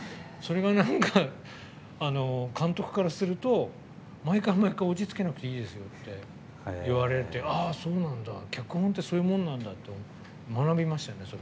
それが、なんか監督からすると毎回、毎回、オチつけなくていいですよって言われて、ああ、そうなんだ。脚本ってそういうもんなんだって学びましたよね。